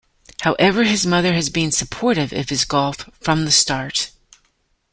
However, his mother has been supportive of his golf from the start.